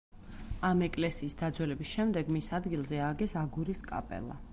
ამ ეკლესიის დაძველების შემდეგ მის ადგილზე ააგეს აგურის კაპელა.